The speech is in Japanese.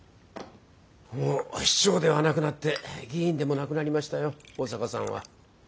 もう市長ではなくなって議員でもなくなりましたよ保坂さんは。